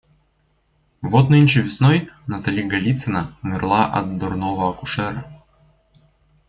Вот нынче весной Натали Голицына умерла от дурного акушера.